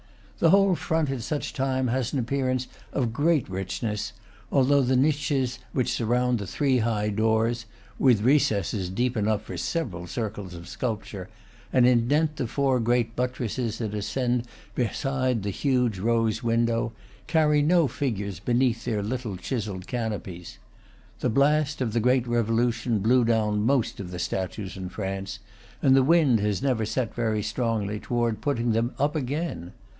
The whole front, at such a time, has an appearance of great richness, although the niches which surround the three high doors (with recesses deep enough for several circles of sculpture) and indent the four great buttresses that ascend beside the huge rose window, carry no figures beneath their little chiselled canopies. The blast of the great Revo lution blew down most of the statues in France, and the wind has never set very strongly toward putting them up again.